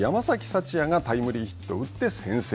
福也がタイムリーヒットを打って先制。